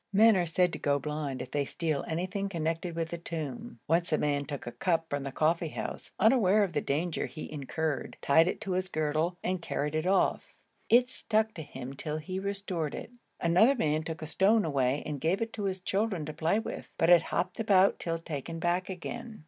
Men are said to go blind if they steal anything connected with the tomb; once a man took a cup from the coffee house, unaware of the danger he incurred, tied it to his girdle, and carried it off. It stuck to him till he restored it. Another man took a stone away and gave it to his children to play with, but it hopped about till taken back again.